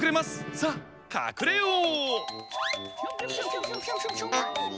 さあかくれよう！